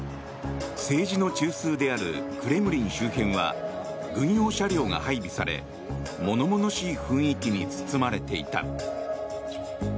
政治の中枢であるクレムリン周辺は軍用車両が配備され物々しい雰囲気に包まれていた。